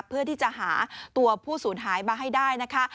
เพื่อที่จะหาตัวผู้สูญหายมาให้ได้นะคะ